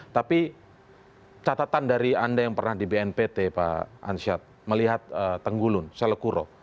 tapi catatan dari anda yang pernah di bnpt pak ansyad melihat tenggulun selekuro